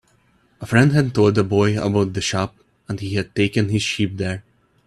A friend had told the boy about the shop, and he had taken his sheep there.